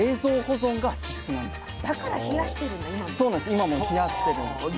今も冷やしてるんですね。